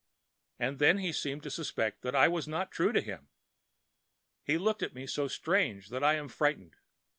And then he seemed to suspect that I be not true to him. He looked at me so strange that I am frightened.